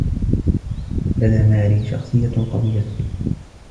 لدى ماري شخصيّة قويّة.